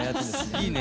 いいね。